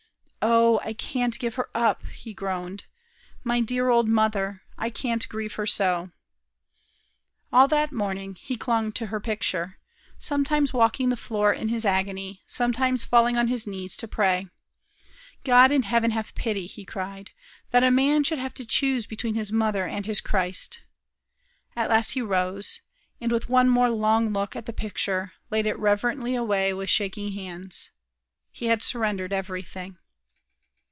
"O, I can't give her up," he groaned. "My dear old mother! I can't grieve her so!" All that morning he clung to her picture, sometimes walking the floor in his agony, sometimes falling on his knees to pray. "God in heaven have pity," he cried. "That a man should have to choose between his mother and his Christ!" At last he rose, and, with one more long look at the picture, laid it reverently away with shaking hands. He had surrendered everything.